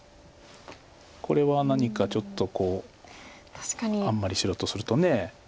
これは何かちょっとあんまり白とすると。